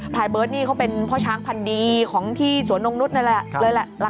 พลายเบิร์ตนี่เขาเป็นพ่อช้างพันธุ์ดีของที่สวนงงนุษย์เลยแหละ